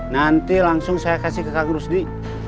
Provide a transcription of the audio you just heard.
nanti langsung saya kasih ke kak rusdi